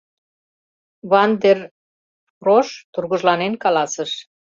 — Ван дер Фрош тургыжланен каласыш.